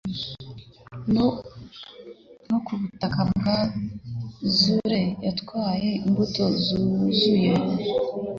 no ku butaka bwa azure yatwaye imbuto yuzuye